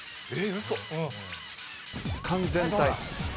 嘘⁉完全体。